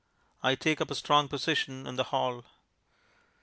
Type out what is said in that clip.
I take up a strong position in the hall.